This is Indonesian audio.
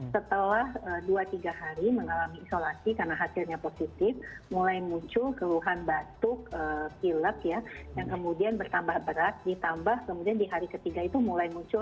setelah dua tiga hari mengalami isolasi karena hasilnya positif mulai muncul keluhan batuk pilek yang kemudian bertambah berat ditambah kemudian di hari ketiga itu mulai muncul